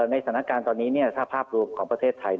ในสถานการณ์ตอนนี้ถ้าภาพรวมของประเทศไทย